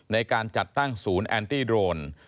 ในการจัดตั้งศูนย์แอนตี้โดรน